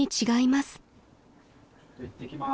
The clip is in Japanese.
じゃいってきます。